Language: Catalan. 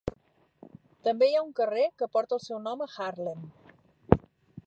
També hi ha un carrer que porta el seu nom a Haarlem.